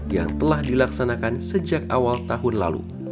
yang telah dilaksanakan sejak awal tahun lalu